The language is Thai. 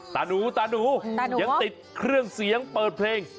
ตาหนูตาหนูยังติดเครื่องเสียงเปิดเพลง